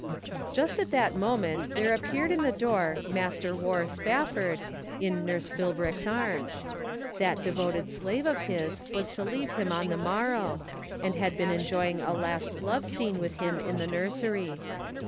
Just at that moment there appeared in the door Master War Spafford, in nurse Phil brick's arms ; that devoted slave of his was to leave him on the morrow, and had been enjoy ing a last love scene with him in the nursery.